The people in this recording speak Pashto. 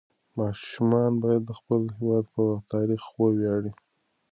ماشومان باید د خپل هېواد په تاریخ وویاړي.